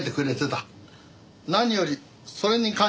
何よりそれに感謝してる。